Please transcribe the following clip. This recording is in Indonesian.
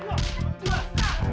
nih makan makan